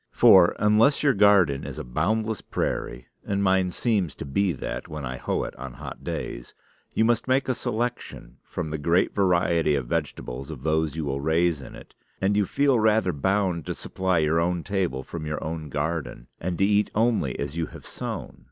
For, unless your garden is a boundless prairie (and mine seems to me to be that when I hoe it on hot days), you must make a selection, from the great variety of vegetables, of those you will raise in it; and you feel rather bound to supply your own table from your own garden, and to eat only as you have sown.